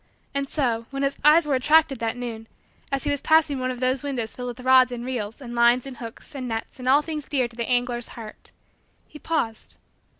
And so, when his eyes were attracted that noon, as he was passing one of those windows filled with rods and reels and lines and hooks and nets and all things dear to the angler's heart, he paused.